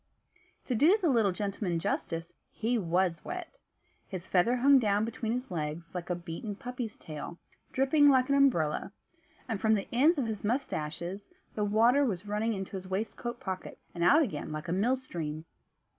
To do the little gentleman justice, he was wet. His feather hung down between his legs like a beaten puppy's tail, dripping like an umbrella; and from the ends of his moustaches the water was running into his waistcoat pockets, and out again like a mill stream.